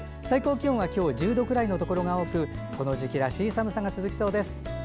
最高気温は今日１０度くらいのところが多くこの時期らしい寒さが続きそうです。